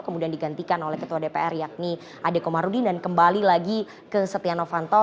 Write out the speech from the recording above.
kemudian digantikan oleh ketua dpr yakni ade komarudin dan kembali lagi ke setia novanto